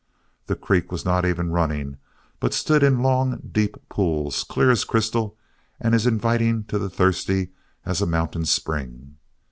The creek was not even running, but stood in long, deep pools, clear as crystal and as inviting to the thirsty as a mountain spring.